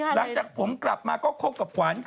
หลังจากผมกลับมาก็คบกับขวัญ